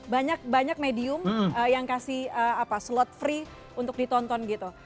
banyak banyak medium yang kasih slot free untuk ditonton gitu